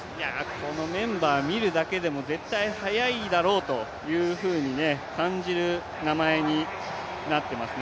このメンバー見るだけでも絶対速いだろうというふうに感じる名前になってますね。